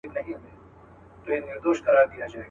کلونه واوښتل عمرونه تېر سول.